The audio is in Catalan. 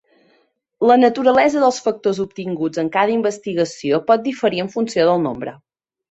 La naturalesa dels factors obtinguts en cada investigació pot diferir en funció del nombre.